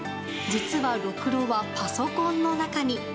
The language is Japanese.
実は、ろくろはパソコンの中に。